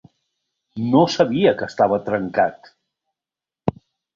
No sabia que estava trencat!